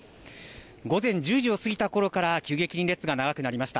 午前１０時を過ぎたころから急激に列が長くなりました。